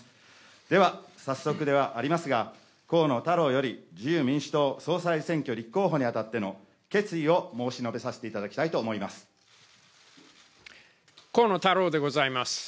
では、早速ではありますが、河野太郎より自由民主党総裁選挙立候補にあたっての決意を申し述河野太郎でございます。